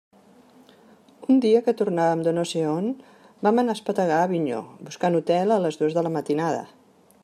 Un dia que tornàvem de no sé on, vam anar a espetegar a Avinyó buscant hotel a les dues de la matinada.